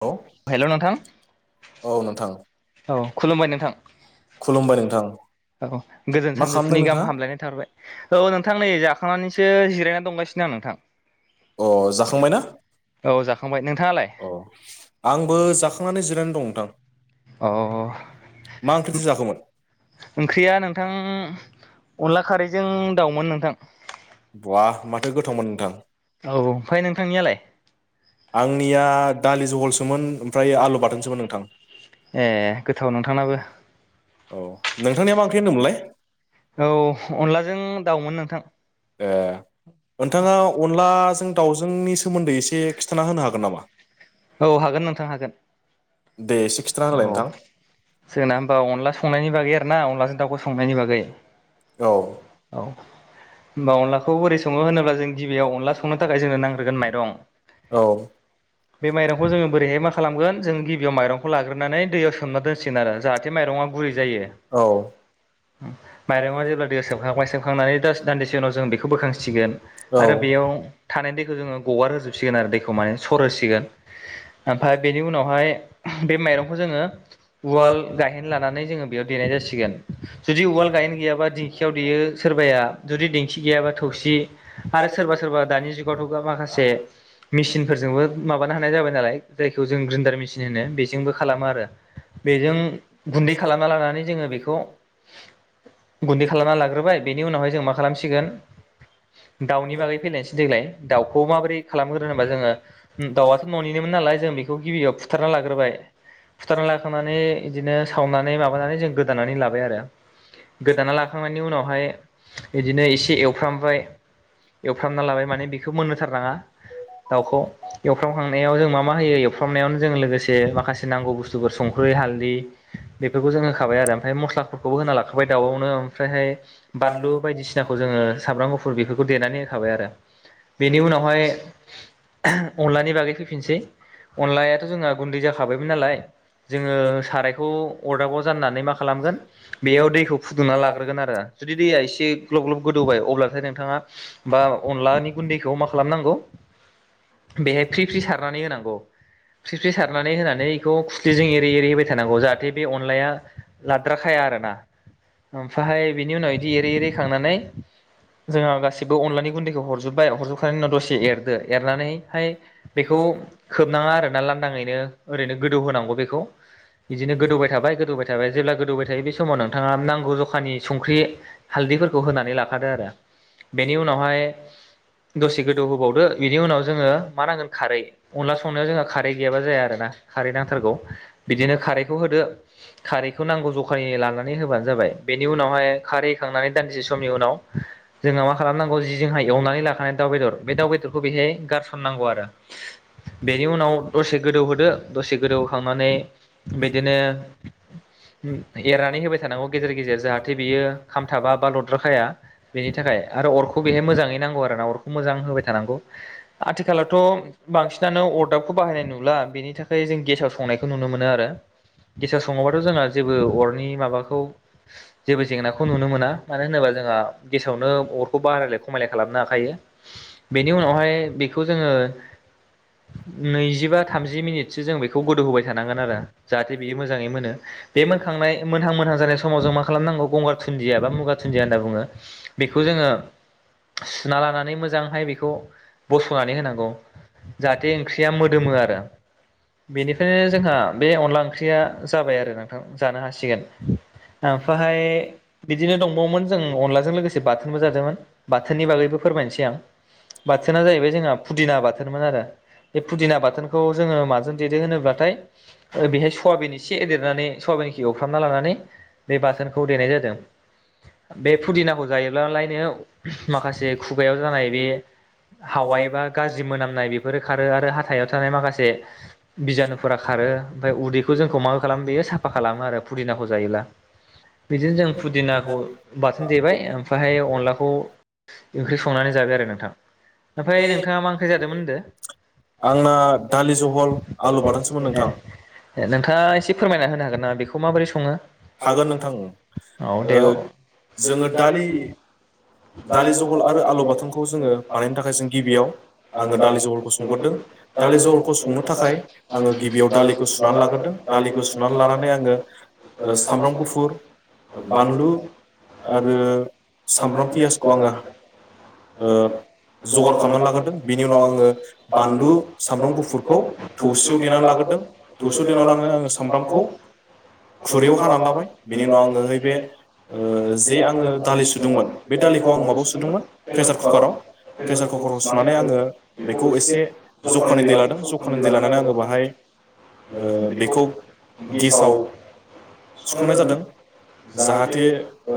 औ हेल' नोंथां औ औ नोंथां औ खुलुमबाय नोंथां खुलुमबाय नोंथां औ गोजोन मा खालामदों सानजौफुनि गाहाम नोंथाङा हामलायनाय थाबाय औ नोंथां नै जाखांनानैसो जि रायना दंगासिनो आं नोंथां अ जाखांबाय ना औ जाखांबाय नोंथाङालाय अ आंबो जाखांनानै जिरना दं नोंथां अ मा ओंख्रिथो जाखोमोन ओंख्रिया नोंथां अनला खारैजों दाउमोन नोंथां। बहा माथो गोथावमोन नोंथां। औ ओमफ्राय नोंथांनियालाय? आंनिया दालि जहलसोमोन ओमफ्राय आलु बाथोनसोमोन नोंथां। ए गोथाव नोंथांनाबो। औ। नोंथांनिया मा ओंख्रि होनदोंमोनलाय औ अनलाजों दाउमोन नोंथां‌ ए। नोंथाङा अनलाजों दाउजोंनि सोमोन्दै एसे खिन्थाना होनो हागोन नामा औ हागोन नोंथां हागोन दे एसे खिथाना औ होलाय नोंथां। जोंना होमबा अनला संनायनि बागै आरोना अनलाजों दाउखौ संनायनि बागै। औ औ नलाखौ बोरै स संओ होनोब्ला जों गिबियाव अनला संनो थाखाय जोंनो नांग्रोगोन माइरं औ बे माइंखौ जों बोरैहाय मा खालामगोन जों गिबियाव माइरंखौ लाग्रोनानै दै सोमना दोनसिगोन आरो जाहाथे माइरंआ गुरै जायो औ औ माइरंआ जेब्ला दैआव सओमखआंबआय सोमखांनानै दस दान्दिसे उनाव जों बे खो बोखांसि सिगोन। औ आरो बेयाव थानाय दैखौ जोङो गगार होजोब सिगोन आरो दैखौ माने सरहोसिगोन ओमफ्राय बेनि उनाव हाय बे माइरंखो जोंओ उवाल गाहेन लानानै जोंओ बेयाव देनाय जासिगोन जुदि उवाल गाहेन गैयाबा दिंखियाव देयो सोरबाया जुदि दिं थि गैयाबा थबसि दि आरो सोरबा सोरबा दानि जुगावथ माखासे मेसिनफोरजोंबो माबानो हानाय जाबाय नालाय जाय जों ग्रिन्दार मेसिन होनो बेजोंबो खालामो आरो। बेजों गुन्दै खालामना लानानै जोङो बेखौ गुन्दै खालामना लाग्रोबाय बेनि उनावहाय जों मा खालामसिगोन। दाउनि बागै फैलायनोसै देग्लाय दाउखौ माबोरै खालामग्रोनो होनबा जोङो दाउआथ ननिनोमोन नालाय जों बेखौ गिबियाव फुथारना लाग्रोबाय फुथारना लाखांनानै बिदिनो सावनानै माबानानै जों गोदानानै लाबाय आरो गोदाना लाखांनायनि उनावहाय इदिनो एसे एवफ्रामबाय। एवफ्रामना लाबाय माने बेखौ मोन सारनाङा दाउखौ एव एवफ्रामखांनायाव जों मा मा होयो एवफ्रामनायावनो जों लोगोसे माखासे नांगौ बुस्थुफोर संख्रै हालदै बेफोरखौ जों होखाबाय आरो ओमफ्राय मस्लाफोरखौबो होना लाखाबाय दाउआवनो ओमफ्रायहाय बानलु बायदिसिना जोंओ साब्रां गुफ फुर बेफोरखौबो देनानै होखाबाय आरो। बेनि उनावहाय अनलानि बागै फैफिनसै अनलायाथ'जोंहा गुन्दै जाखाबायमोन नालाय जोङो सारायखौ अरदाबाव जाननानै मा खालामगोन बेयाव दैखौ फुदुंना लाग्रोगोन आरो जुदि दैया एसे ग्लब ग्लब गोदौबाय अब्ला नाथाय नोंथाङा बा अनलानि गुन्दैखौ मा खालामनांगौ बेहाय फ्रि फ्रि सारनानै होनांगौ फ्रि फ्रि सारनानै होनानै बेखौ खुखलिजों एरै एरै होबाय थानांगौ जाहाथे बे अनलाया लाद्राखाया आरोना ओमफहाय बेनि उनाव बिदि एरै एरैखांनानै जोंहा गासिबो अनलानि गुन्दैखौ हरजोबबाय हरजोबखनायनि उनाव दसे एरदो एर खारनानैहाय बेखौ खोबनाङा आरोना लांदाङैनो ओरैनो गोदौ होनांगौ बेखौ बिदिनो गोदौबाय थाबाय गोदौबाय थाबाय जेब्ला गोदौबाय थायो बे समाव नोंथाङा नांगौ जखानि संख्रि हालदैफोरखौ होनानै ला लाफादो आरो बेनि उनावहाय दसे गोदौ होबावदो बेनि उनाव जोङो मा नांगोन खारै अनला संनायाव जोंहा खारै गैयाबा जाया आरो ना खारै नां थारगौ बिदिनो खारैखौ होदो खारैखौ नांगौ जखानि लानानै होबानो जाबाय बेनि उनावहाय खारै खांनानै दान्दिसे समनि उनाव जोंना मा खालामनांगौ जिजोंहाय एवनानै लाखानाय दाउ बेदर बे दाउ बेदरखौ बेहाय गारसननांगौ आरो बेनि उनाव दसे गोदौहोदो दसे गोदौखांनानै बिदिनो एरनानै होबाय थानांगौ गेजेर गेजेर जाहाथे बियो खामथाबा बा लद्राखाया बेनि थाखाय आरो अरखौ बेहाय मोजाङै नांगौ आरो ना अरखौ मोजां होबाय थानांगौ आथिखालावथ' बांसिनानो अरदाबखौ बाहायनाय नुला बेनि थाखाय जों गेसाव संनायखौ नुनो मोनो आरो गेसाव सङोबाथ' जोंहा जेबो अरनि माबाखौ जेबो जेंनाखौ नुनो मोना मानो होनोबा जोंहा गेसावनो अरखौ बारायलाय खमायलाय खालामनो हाखायो बेनि उनावहाय बेखौ जोङो नैजिबा थामजि मिनिट एसे जों बेखौ गोदौ होबाय थानांगोन आरो जाहाथे बियो मोजाङै मोनो बे मोनखांनाय मोनहां मोनहां जानाय समा समाव जों मा खालामनांगौ गंगार थुन्दिया बा मुगा थुन्दिया होनना बुङो। बेखौ जोङो सुना लानानै मोजांहाय बेखौ बस'नानै होनांगौ जाहाथे ओंख्रिया मोदोमो आरो बेनिखायनो जोंहा बे अनला ओंख्रिया जाबाय आरो नोंथां जानो हासिगोन ओमफहाय बिदिनो दंबावोमोन जों अनला लोगोसे बाथोनबो जादोंमोन बाथोननि बागैबो फोरमायनोसै आं बाथोना जाहैबाय जोंहा फुदिना बाथोनमोन आरो फुदिना बाथोनखौ जोङो माजों देदों होनोब्लाथाय ओ बेहाय सुवाबिन एसे होदेरनानै सबायखो एवफ्रामना लानानै बे बाथोनखौ देनाय जादों बे फुदिना खौ जायोब्लालायनो माखासे खुगायाव जानाय बे हावाय बा गाज्रि मोनामनाय बेफोरो खारो आरो हाथायाव थानाय माखासे बिजानुफोरा खारो ओमफ्राय उदैखौ जोंखौ मा खालाम देयो साफा खालामो आरो फुदिनाखौ जायोब्ला बिदिनो जों फुदिनाखौ बाथोन देबाय ओमफहाय अनलाखौ ओंख्रि संनानै जाबाय आरो नोंथां। ओमफ्राय नोंथाङा मा फैजादोंमोन होनदों? आंना दालि जहल आलु बाथोनसोमोन नोंथां [unintelligible] नोंथाङा एसे फोरमायना होनो हागोन नाखौ माबोरै सङो? हागोन नोंथां ओं ओ जोङो दालि दालि जल जहल आरो आलरखौ आलु बाथोनखौ जोङो जोङोनि बानायनो थाखाय जों ज गिबियाव आङो दालि जलखौ संबोदों दालि जलखौ संनो थाखाय आङो गिबियाव दालिखौ संनानै लानांगोन दालिखौ संनानै लानानै आङो सामब्राम गुफुर बानलु आरो सामब्राम पियासखौ आङो जगार खालामनानै लाग्रोदों बेनि उनाव आङो बानलु सामब्राम गुफुरखौ थौसियाव देनानै लाग्रदों थौसियाव देना लानानै आङो सामब्रामखौ खुरैयाव हाना हानानै लागोन लाबाय बिनि बेनि उनाव आङो ओइबे बे ओ जे आङो दालि सुदोंमोन, बे दालिखौ आं माबायाव सुदोंमोन, प्रेसार कुकाराव। प्रेसार कुकाराव सुनानै आङो बेखौ एसे जखानि दै लादों जखानि दै लानानै आङो बाहाय ओ बेखौ गेसाव सुखांनाय जादों जाहाथे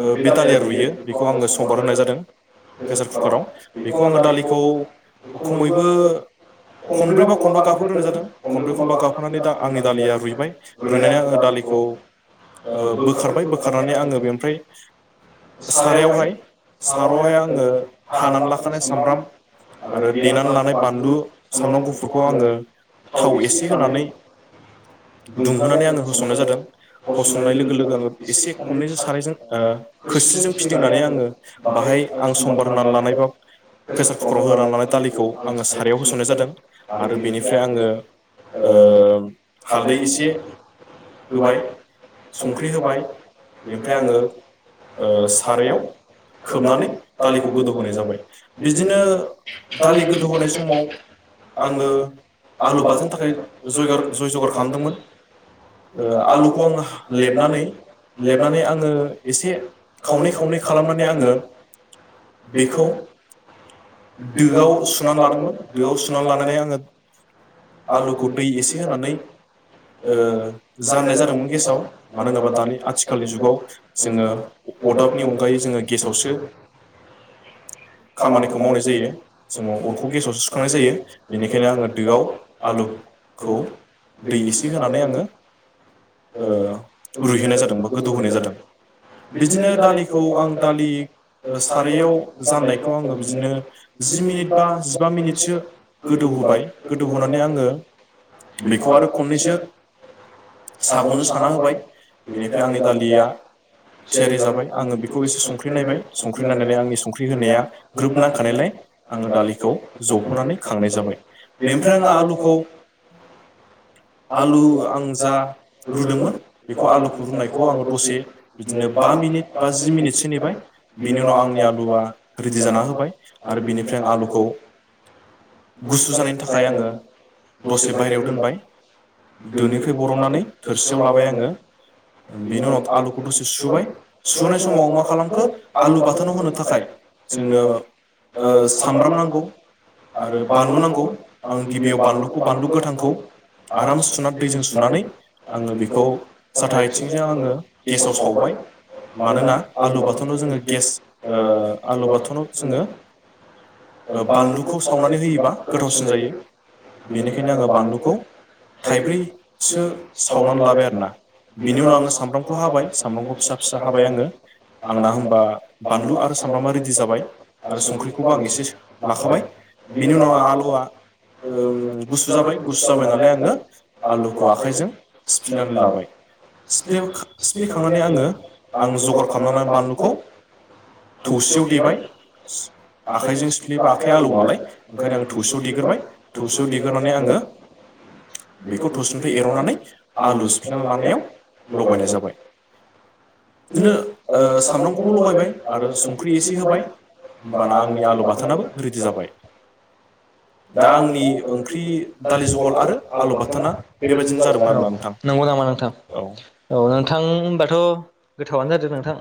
ओ बे दालिया रुयो बेखौ आङो समबार होनाय जादों, प्रेसार कुकाराव। बेखौ आङो दालिखौ खमैबो खनब्रैबा खनबा गाबहोग्रोनाय जादों। खनब्रै खनबा गाबखांनानै दा आंनि दालिया रुइबाय रुइनानै आङो दालिखौ ओ बोखांबाय बोखारबाय बोखांनानै बोखारनानै आङो गंसे बेनिफ्राय सारायावहाय सारआवहाय आङो हानानै लाखानाय सामब्राम आरो देनानै लानाय बानलु सामब्राम गुफुरखौ आङो थाव एसे होनानै दुंहोनानै आंनो आङो फसंनाय होसननाय जादों। फसंनाय होसननाय लोगो लोगो आङो आं एसे खननै खननैसो सानायजों ओ सानै खोरस्लिजों खोसलिजों खेवनानै फिदिंनानै आङो बाहाय आं समबार सम्बार होनानै लांनानै लानाय बा प्रेसार कुकाराव होनानै लानाय दालिखौ आङो सारायाव होसननाय जादों आरो बेनिफ्राय आङो ओ हालदै एसे होबाय, संख्रि होबाय ओमफ्राय आङो ओ [unintelligible] सारायाव खोबनानै दालिखौ गोदौहोनाय जाबाय। बिदिनो दालि गोदौहोनाय समाव आङो आलु बाथोननि थाखाय जयगार जय जगार खालामदोंमोन ओ आलु खौ आलुखौ आं लेमनानै लेबनानै लेबनानै आङो एसे खावनै खावनै खालामनानै आङो बेखौ दोआव सुनानै लादोंमोन। दोआव सुनानै लानानै आङो आलुखौ दै एसे होनानै ओ जाननाय जादोंमोन गेसाव। मानो होनोबा दानि आथिखालनि जुगाव जोङो अदाबनि अनगायै जोङो गेसावसो खामानिखौ मावनाय जायो। जोङो अरखौ गेसावसो सुखांनाय जायो, बेनिखायनो आङो दोआव आलुखौ दै एसे होनानै आङो ओ रुइहोनाय जादों बा गोदौ होनोनाय जादों। बिदिनो दालिखौ आं दालि सारायाव जाननायखौ आङो बिदिनो जि मिनिट बा जिबा मिनिटसो गोदौ होबाय। गोदौहोनानै आङो बेखौ आरो खननैसो सा गंजों साना होबाय। बेनिफ्राय आंनि दालिया थियारि जाबाय। आं आङो बेखौ दसे एसे संख्रि नायबाय, संफिननायबाय संख्रि संफिननानै नायनानै आं आंनि संख्रि होनाया ग्रोब गोदौना नांखानायलाय थानायलाय आं आङो दालिखौ जबहोनानै जहोनानै खांनाय जाबाय। बेनिफ्राय आङो आंना आलुखौ आरोबाव आलु आं जा रुदोंमोन बेखौ आलुखौ रुनायखौ आङो दसे बिदिनो बा मिनिट बा जि मिनिटसो नेबाय। बिनि उनाव आंनि आलुआ रिडि जाना होबाय आरो बिनिफ्राय आं आलुखौ गुसु जानायनि थाखाय आङो दसे बायेरायाव दोनबाय दोनिफ्राय बरननानै थोरसियाव लाबाय आङो, बेनि उनाव आलुखौ दसे सुबाय, सुहोनाय समाव आं मा खालामखो, आलु बाथोनाव होनो थाखाय जोंनो सामब्राम नांगौ आरो बानलु नांगौ आं गिबियाव बानलुखौ बानलु गोथांखौ आराम सुनानै दैजों सुनानै आङो बेखौ साथा आइथिंजों आङो गेसाव सावबाय मानोना आलु बाथोनाव जोङो गेस ओ आलु बाथोनाव जोङो ओ बानलुखौ सावनानै होयोबा गोथावसिन जायो बेनिखायनो आङो बानलुखौ थाइब्रैसो [unintelligible] सावनानै लाबाय आरोना। बिनि उनाव आङो सामब्रामखौ हाबाय। फिसा फिसा हाबाय आङो आंना हबा बानलु आरो सामब्रामा रेडि जाबाय आरो संख्रिखौबो आं एसे लाखाबाय बेनि बिनि उनाव आं आंहा ओ आलुआ ओम गुसु जाबाय गुसु जाबाय नालाय आङो आलुखौ आखाइजों सिफ्लेनानै लाबाय। सिप्लेख फ्लिखांनानै आङो आं जगार खालामनानै बानलुखौ थौसियाव देबाय आखाइजों सिफ्लेयोबा आखाइया आलौ नालाय ओंखायनो आङो थौसियाव देग्रोबाय थौसियाव देग्रोनानै आङो बेखौ गुसुखौ थौसिनिफ्राय एरननानै एर'नानै आलु सिफ्लना लानायाव लगायनाय जाबाय। बिदिनो ओ सामब्रामखौबो लगायबाय आरो संख्रि एसे होबाय होमबाना आंनि आलु बाथोनाबो रेडि जाबाय। दा आंनि ओंख्रि दालि जहल आरो आलु बाथोना बेबायदिनो जादोंमोन आरो नंगौ नामा नोंथां औ नोंथां। थां होनबाथ' गोथावानो जादों नोंथां।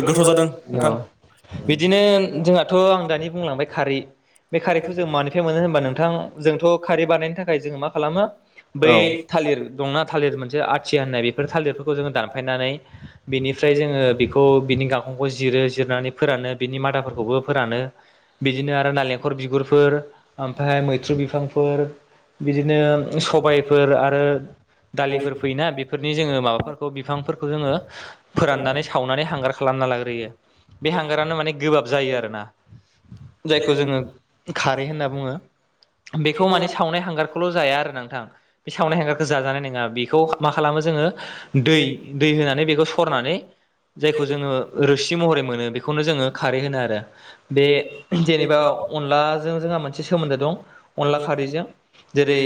गोथाव जादों [unintelligible] औ उम बिदिनो जोंहाथ' आं दानि बुंलांबाय खारै [inaudible] बे खारिखौ जों मानिफ्राय मोनो होनबा नोंथां जोंथ' खारै बानायनायनो थाखाय जोङो मा खालामो औ बै थालिर दंना थालिर मोनसे आथिया होननाय बेफोर थालिर खौ जोङो दानफायनानै बेनिफ्राय जोङो बेखौ बिनि गाखं खौ जिरो जिरनानै फोरानो बिनि मादाफोरखौबो फोरानो बिदिनो आरो नालें खर बिगुरफोर, ओमफायहाय मैथ्रु बिफांफोर बिदिनो सब गयफोर आरो दालिफोर फैयोना बेफोरनि जोङो माबा फोरखौ बिफांफोरखौ जोङो फोराननानै सावनानै हांगार खालामना लाग्रोयो बे हांगारानो माने गोबाब जायो आरोना, जायखौ जोङो खारै होनना बुङो। बेखौ माने सावनाय हांगार खौल' जाया आरो नोंथां, बे सावनाय हेंगारखौ जाजानाय नङा बेखौ मा खालामो जोङो दै दै होनानै बेखौ सरनानै जायखौ जोङो रोसि महरै मोनो बेखौनो जोङो खारै होनो आरो। बे जेनेबा अनलाजों जोंहा मोनसे सोमोन्दो दं अनला खारैजों जेरै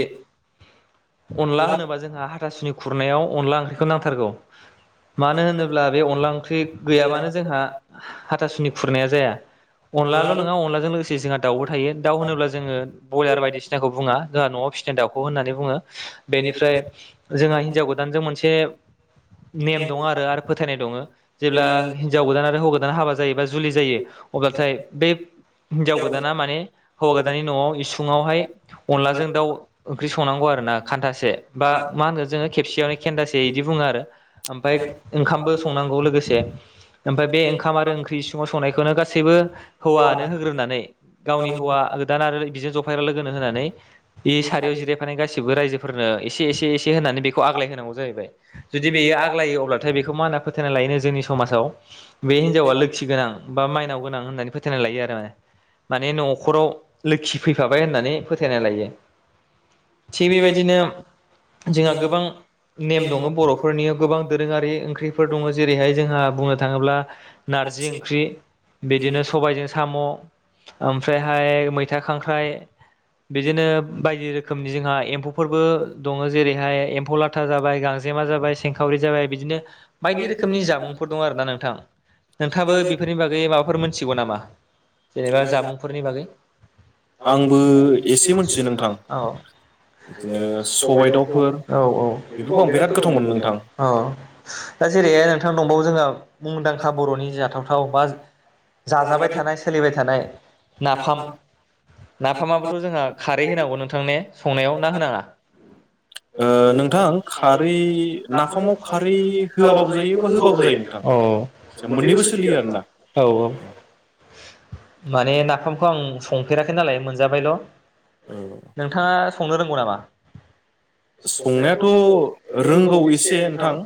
अनला होनोबा जोंहा हाथासुनि खुरनायाव अनला ओंख्रि खौ नांथारगौ। मानो होनोब्ला बे अनला ओंख्रि गैयाबानो जोंहा हाथासुनि खुरनाया जाया। अनलाल' नङा अनलाजों लोगोसे जोंहा दाउबो थायो, दाउ होनोब्ला जोङो ब्रयलार बायदिसिनाखौ बुङा जोंहा न'आव फिसिनाय दाउखौ होननानै बुङोव बेनिफ्राय जोंहा हिनजाव गोदानजों मोनसे नेम दङ आरो आर फोथायनाय दङो। जेब्ला हिन्जाव गोदान आरो हौवा हाबा जायोबा जुलि जायो अब्लाथाय बे हिनजाव गोदाना माने हौवा गोदानानि न'आव इसुङावहाय अनलाजों दाउ ओंख्रि संनांगौ आरो ना खान्थासे बा मा होनोन जोङो खेबसेयावनो खेन्दासे बिदि बुङो आरो ओमफाय ओंखामबो संनांगौ लोगोसे ओमफाय बे ओंखाम आरो ओंख्रि इ सिङाव संनायखौनो गासैबो हौवायानो होग्रोनानै गावनि हौवा गोदान आरो बिजों जफाय्रा लोगोनो होनानै इ सारायाव जिरायफानाय गासि बो रायजोफोरनो एसे एसे एसे से होनानै बेखौ आग्लाय होनांगौ जाहैबाय जुदि बेयो आग्लायो अब्लाथाय बेखौ मा ना फोथायना लायोनो जोंनि समाजाव बे हिन्जावा लोखि गोनां बा माइनाव गोनां होननानै फोथायनाय लायो आरो ओ माने न'खराव लोखि फैफाबाय होननानै फोथायनाय लायो। थिग बेबायदिनो जोंहा गोबां नेम दङ' बर'फोरनियाव गोबां दोरोङारि ओंख्रिफोर दङ' जेरैहाय जोंहा बुंनो थाङोब्ला नारजि ओंख्रि बिदिनो सबायजों साम' ओमफ्रायहाय मैथा खांख्राइ बिदिनो बायदि रोखोमनि जोंहा एम्फौफोरबो दङ' जेरैहाय एम्फौ लाथा जाबाय गांजेमा जाबाय सेंखावरि जाबाय बिदिनो बायदि रोखोमनि जामुंफोर दं आरो ना नोंथां नोंथाङाबो बेफोरनि बागै माबाफोर मोनथिगौ नामा? जेनेबा जामुंफोरनि बागै [unintelligible] आं आंबो ओ एसे मोनथियो मिथिनो [unintelligible] नोंथां औ माने बिदिनो सबाय सबाइ दावखौ दाउफोर औ औ बेफोरखौ आं बिराद बेराद [unintelligible] गोथाव मोनो नोंथां अ दा जेरै नोंथां दंबावो जोंहा मुंदांखा बर'नि जाथावथाव बा जाजाबाय थानाय सोलिबाय थानाय नाफाम नाफामाबोथ' जोंहा खारै होनांगौ नोंथां ने संनायाव ना होनाङा? ओ नोंथां खारै नाफामाव खारै होवाबाबो जायो आरो होबाबो जायोआरोना नों थां औ औ मोननैबो सोलियो सोलियोआरोना आरोना औऔ माने नाफामखौ आं संफेराखै नालाय मोनजाबायल' औ नोंथाङा संनो रों गौनामा संनायाथ' ओ रोंगौ एसे नोंथां।